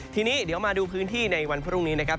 ทีนี้เดี๋ยวมาดูพื้นที่ในวันพรุ่งนี้นะครับ